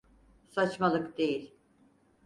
Saçmalık değil.